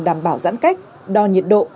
đảm bảo giãn cách đo nhiệt độ